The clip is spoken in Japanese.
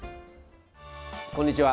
こんにちは。